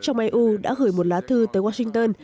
trong eu đã gửi một lá thư tới washington